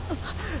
あっ。